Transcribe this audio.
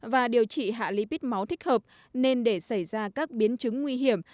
và điều trị hạ lipid máu thích hợp nên để xảy ra các biến chứng nguy hiểm